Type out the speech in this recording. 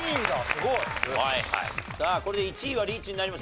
すごい！さあこれで１位はリーチになりました。